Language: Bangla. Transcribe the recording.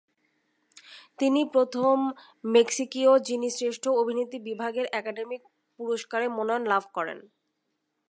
তিনিই প্রথম মেক্সিকীয় যিনি শ্রেষ্ঠ অভিনেত্রী বিভাগে একাডেমি পুরস্কারের মনোনয়ন লাভ করেন।